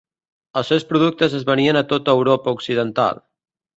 Els seus productes es venien a tota Europa Occidental.